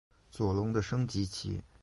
左龙的升级棋。